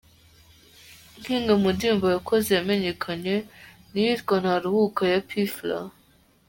Nk’imwe mu ndirimbo yakoze yamenyekanye ni iyitwa “Ntaruhuka” ya P Fla.